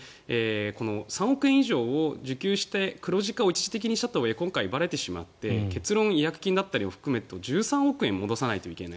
３億円以上を受給して黒字化を一時的にしたとはいえ今回、ばれてしまって結論、違約金だったりを含めると１３億円戻さないといけない。